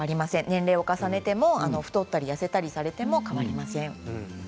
年齢を重ねても太ったり痩せたりされても変わりません。